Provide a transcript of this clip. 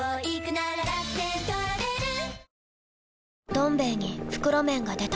「どん兵衛」に袋麺が出た